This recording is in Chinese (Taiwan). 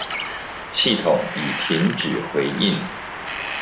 系統已停止回應